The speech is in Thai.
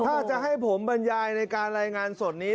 ถ้าจะให้ผมบรรยายในการรายงานสดนี้